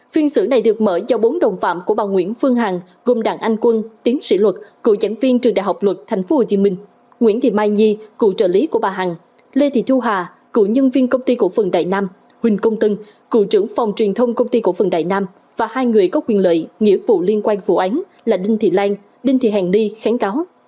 phiên xử này được mở do bốn đồng phạm của bà nguyễn phương hằng gồm đảng anh quân tiến sĩ luật cựu giảng viên trường đại học luật tp hcm nguyễn thị mai nhi cựu trợ lý của bà hằng lê thị thu hà cựu nhân viên công ty cổ phần đại nam huỳnh công tân cựu trưởng phòng truyền thông công ty cổ phần đại nam và hai người có quyền lợi nghĩa vụ liên quan vụ án là đinh thị lan đinh thị hàng ni kháng cáo